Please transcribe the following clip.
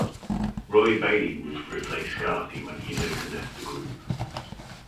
Roy Bailey would replace Carthy when he later left the group.